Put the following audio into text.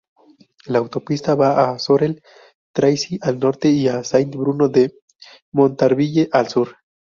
La autopista va a Sorel-Tracy al norte y a Saint-Bruno-de-Montarville al sur.